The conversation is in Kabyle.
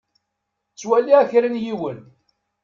Ttwaliɣ kra n yiwen.